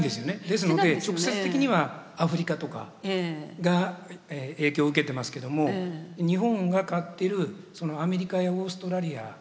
ですので直接的にはアフリカとかが影響を受けてますけども日本が買ってるアメリカやオーストラリア